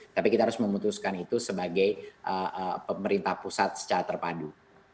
tapi kita harus memutuskan itu sebagai pemerintah pusat secara terpadu